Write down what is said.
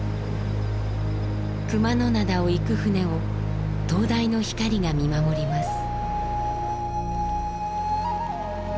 熊野灘を行く船を灯台の光が見守ります。